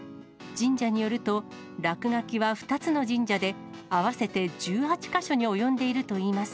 神社によると、落書きは２つの神社で合わせて１８か所に及んでいるといいます。